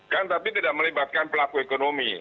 kan tapi tidak melibatkan pelaku ekonomi